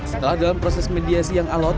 setelah dalam proses mediasi yang alot